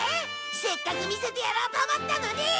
せっかく見せてやろうと思ったのに！